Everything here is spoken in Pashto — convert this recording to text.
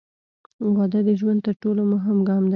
• واده د ژوند تر ټولو مهم ګام دی.